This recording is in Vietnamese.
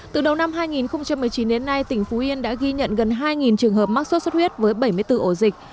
từ đầu năm hai nghìn một mươi chín đến nay tỉnh phú yên đã ghi nhận gần hai trường hợp mắc sốt xuất huyết với bảy mươi bốn ổ dịch